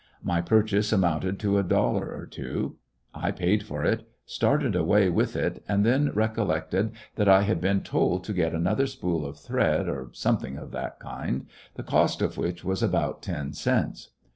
My purchase amounted to a dollar or two. I paid for it, started away with it, and then recollected that I had been told to get another spool of thread, or some thing of that kind, the cost of which was about ten cents.